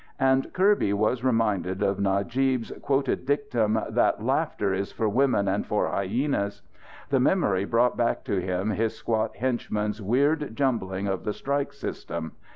And Kirby was reminded of Najib's quoted dictum that "laughter is for women and for hyenas." The memory brought back to him his squat henchman's weird jumbling of the strike system.